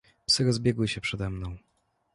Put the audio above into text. "Psy rozbiegły się przede mną."